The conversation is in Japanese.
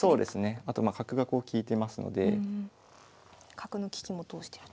角の利きも通してると。